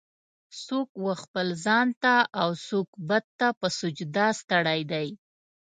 "څوک و خپل ځان ته اوڅوک بت ته په سجده ستړی دی.